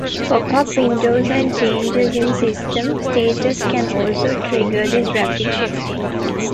Pop-up windows and changes in system status can also trigger this rapid shifting.